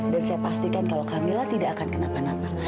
dan saya pastikan kalau kamila tidak akan kenapa napa